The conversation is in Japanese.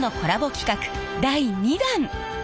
企画第２弾！